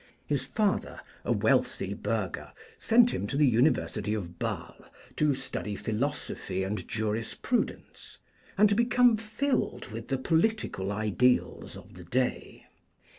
His father, a wealthy burgher, sent him to the University of Basle to study philosophy and jurisprudence and to become filled with the political ideals of the day.